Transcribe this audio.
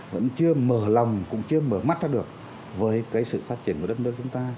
vẫn chưa mở lòng cũng chưa mở mắt ra được với cái sự phát triển của đất nước